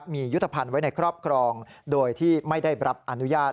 มียุทธภัณฑ์ไว้ในครอบครองโดยที่ไม่ได้รับอนุญาต